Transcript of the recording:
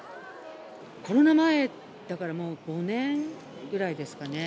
コロナ前だから、もう５年ぐらいですかね。